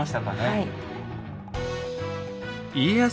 はい。